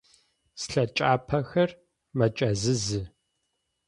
Слъэкӏапӏэхэр мэкӏэзэзы.